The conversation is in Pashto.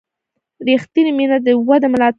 ریښتینې مینه د ودې ملاتړ کوي.